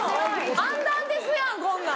漫談ですやんこんなん！